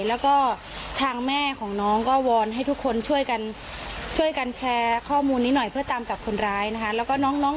แล้วก็ทางแม่ของน้องก็วอนให้ทุกคนช่วยกันช่วยกันแชร์ข้อมูลนี้หน่อยเพื่อตามจับคนร้ายนะคะ